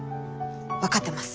分かってます。